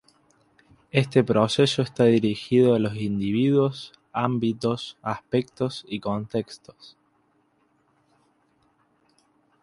Este proceso está dirigido a los individuos, ámbitos, aspectos y contextos.